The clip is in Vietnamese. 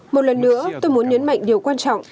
một lần nữa tôi muốn nhấn mạnh điều quan trọng